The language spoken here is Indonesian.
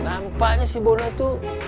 nampaknya si bono itu